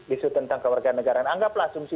isu tentang kewarganegaraan anggaplah asumsi